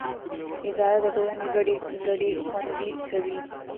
اداره د ټولنې ګډې ګټې خوندي کوي.